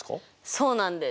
そうなんです。